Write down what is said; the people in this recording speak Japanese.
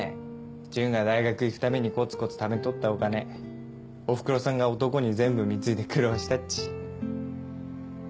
純が大学行くためにこつこつためとったお金おふくろさんが男に全部貢いで苦労したっち。